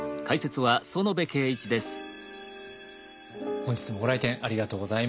本日もご来店ありがとうございます。